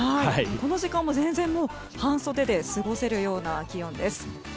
この時間も全然半袖で過ごせるような気温です。